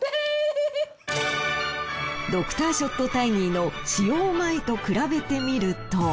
ドクターショットタイニーの使用前と比べてみると。